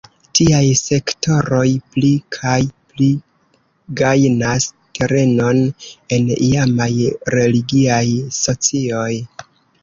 Tiaj sektoroj pli kaj pli gajnas terenon en iamaj religiaj socioj.